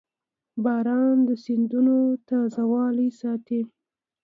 • باران د سیندونو تازهوالی ساتي.